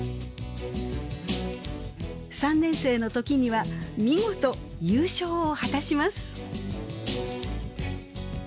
３年生の時には見事優勝を果たします。